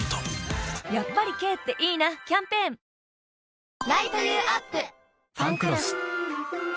やっぱり軽っていいなキャンペーン「ファンクロス」